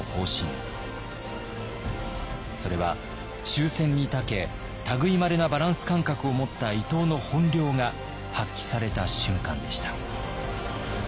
それは周旋にたけ類いまれなバランス感覚を持った伊藤の本領が発揮された瞬間でした。